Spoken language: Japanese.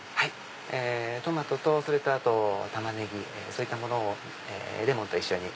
トマトとそれとタマネギそういったものをレモンと一緒に。